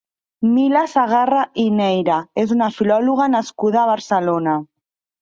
Mila Segarra i Neira és una filòloga nascuda a Barcelona.